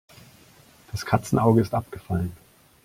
Das Katzenauge ist abgefallen.